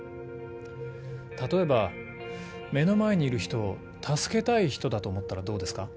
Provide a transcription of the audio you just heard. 例えば目の前にいる人を助けたい人だと思ったらどうですか？